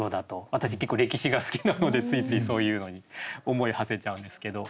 私結構歴史が好きなのでついついそういうのに思いはせちゃうんですけど。